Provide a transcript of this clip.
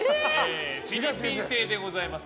フィリピン製でございます。